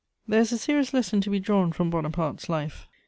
* There is a serious lesson to be drawn from Bonaparte's life.